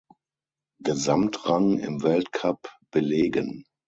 Gesamtrang im Weltcup belegen.